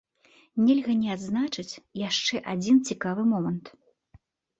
Нельга не адзначыць яшчэ адзін цікавы момант.